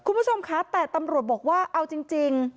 คุณผู้ชมคะแต่ตำรวจบอกว่าเอาจริง